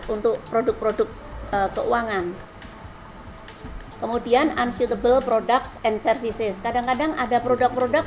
untuk produk produk keuangan kemudian unsuable products and services kadang kadang ada produk produk